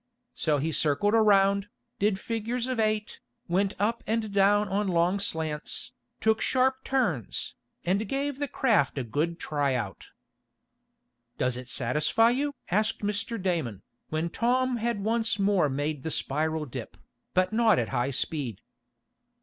So he circled around, did figures of eight, went up and down on long slants, took sharp turns, and gave the craft a good tryout. "Does it satisfy you?" asked Mr. Damon, when Tom had once more made the spiral dip, but not at high speed.